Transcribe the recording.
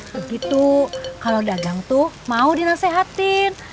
begitu kalau dagang tuh mau dinasehatin